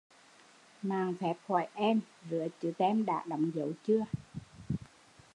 Mạn phép hỏi em rứa chứ tem đã đóng dấu chưa